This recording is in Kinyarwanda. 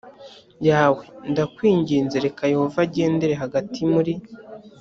yawe ndakwinginze reka yehova agendere hagati muri